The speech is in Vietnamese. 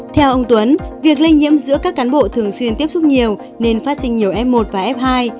theo ông tuấn việc lây nhiễm giữa các cán bộ thường xuyên tiếp xúc nhiều nên phát sinh nhiều f một và f hai